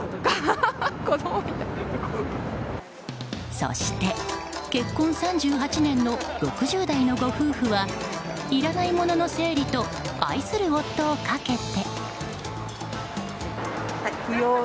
そして、結婚３８年の６０代のご夫婦はいらないものの整理と愛する夫をかけて。